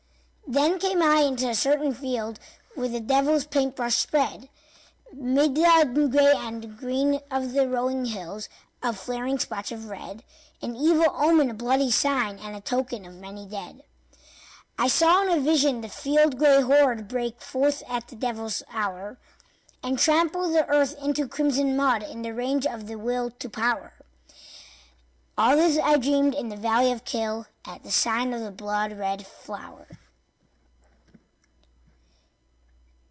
Then came I into a certain field Where the devil's paint brush spread 'Mid the gray and green of the rolling hills A flaring splotch of red, An evil omen, a bloody sign, And a token of many dead. I saw in a vision the field gray horde Break forth at the devil's hour, And trample the earth into crimson mud In the rage of the Will to Power, All this I dreamed in the valley of Kyll, At the sign of the blood red flower.